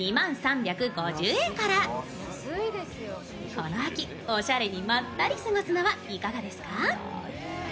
この秋、おしゃれにまったり過ごすのはいかがですか？